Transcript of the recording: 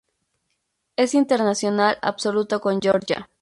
Es internacional absoluto con Georgia.